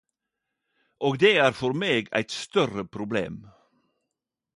Og det er for meg eit større problem.